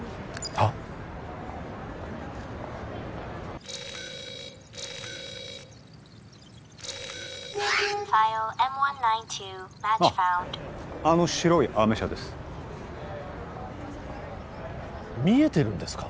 あっあの白いアメ車です見えてるんですか？